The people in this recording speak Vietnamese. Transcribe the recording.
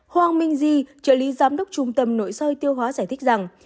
hoàng minh di trợ lý giám đốc trung tâm nội soi tiêu hóa giải thích rằng